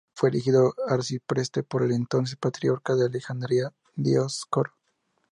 Fue elegido arcipreste por el entonces Patriarca de Alejandría, Dióscoro.